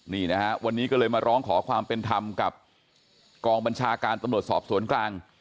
นี่นะฮะวันนี้ก็เลยมาร้องขอความเป็นธรรมกับกองบัญชาการตำรวจสอบสวนกลาง